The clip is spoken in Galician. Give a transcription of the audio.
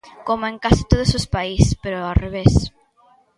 Coma en case todos o país, pero ao revés.